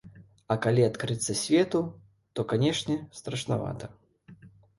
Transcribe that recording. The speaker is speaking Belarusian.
А калі адкрыцца свету, то, канечне, страшнавата.